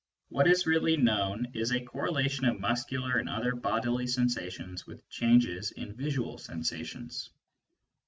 What is really known is a correlation of muscular and other bodily sensations with changes in visual sensations.